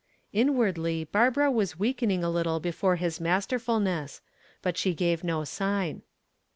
Inwardly Barbara was weakening a little before his masterfulness. But she gave no sign.